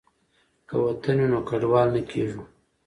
که وطن وي نو کډوال نه کیږو.